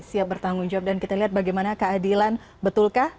siap bertanggung jawab dan kita lihat bagaimana keadilan betulkah